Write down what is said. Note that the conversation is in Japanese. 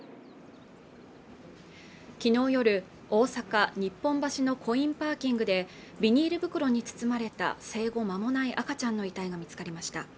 昨日夜大阪日本橋のコインパーキングでビニール袋に包まれた生後まもない赤ちゃんの遺体が見つかりました